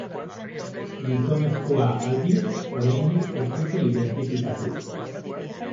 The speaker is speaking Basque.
Gizonezkoa, aldiz, oraindik ez dute identifikatu.